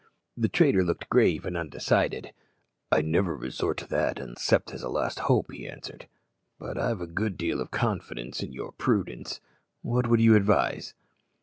The trader looked grave and undecided. "I never resort to that except as a last hope," he answered; "but I've a good deal of confidence in your prudence. What would you advise?"